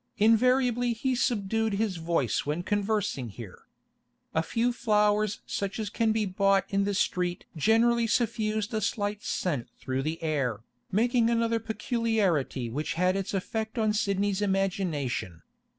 Invariably he subdued his voice when conversing here. A few flowers such as can be bought in the street generally diffused a slight scent through the air, making another peculiarity which had its effect on Sidney's imagination.